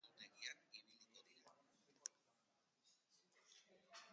Perretxiko jangarri hau koniferoen basoetan hazten da Europa osoan barrena.